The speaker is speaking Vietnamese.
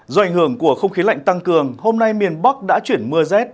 do ảnh hưởng của không khí lạnh tăng cường hôm nay miền bắc đã chuyển mưa rét